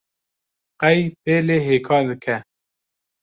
Qey pêlê hêka dike